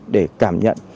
để cảm nhận